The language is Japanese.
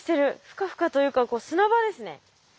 フカフカというか砂場ですね。